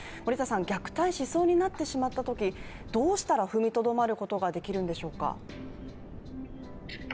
虐待しそうになってしまったときどうしたら踏みとどまることができるんでしょうか？